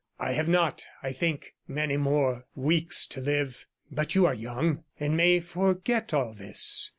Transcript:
I have not, I think, many more weeks to live, but you are young, and may forget all this.'